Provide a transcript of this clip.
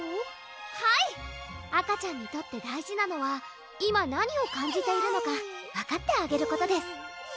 はい赤ちゃんにとって大事なのは今何を感じているのか分かってあげることです